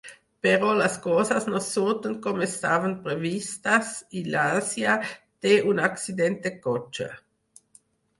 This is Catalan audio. Però les coses no surten com estaven previstes, i l'Àsia té un accident de cotxe.